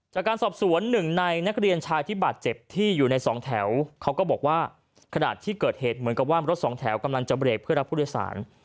จากการสอบสวนหนึ่งในนักเรียนชายที่บาดเจ็บที่อยู่ในสองแถวเขาก็บอกว่าขณะที่เกิดเหตุเหมือนกับว่ารถสองแถวกำลังจะเบรกเพื่อรับผู้โดยสาร